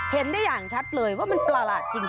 เห็นได้อย่างชัดเลยว่ามันประหลาดจริง